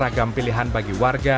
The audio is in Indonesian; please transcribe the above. ragam pilihan bagi warga